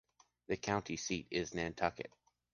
The county seat is Nantucket.